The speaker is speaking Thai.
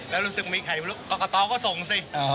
แล้วรู้สึกมีใครก็กะตอก็ส่งสิ